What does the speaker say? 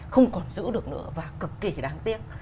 không còn giữ được nữa và cực kỳ đáng tiếc